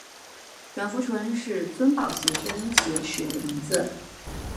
阮福淳是尊室协生前使用的名字。